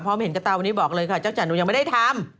พร้อมเห็นกระตาวนี้บอกเลยค่ะจักรจันทร์หนูยังไม่ได้ทำ